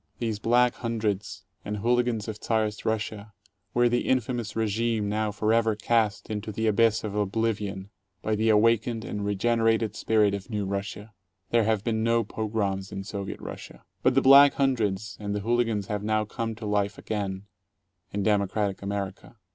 These Black Hun dreds and hooligans of Czarist Russia were the infamous regime now forever cast into the abyss of oblivion by the awakened and regenerated spirit of New Russia. There have been no pogroms in Soviet Russia. But the Black Hundreds and the hooligans have now come to life again — in democratic America.